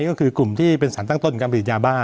ก็คือกลุ่มที่เป็นสารตั้งต้นการผลิตยาบ้า